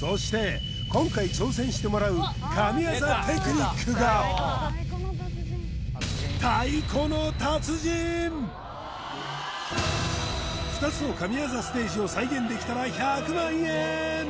そして今回挑戦してもらう神業テクニックが２つの神業ステージを再現できたら１００万円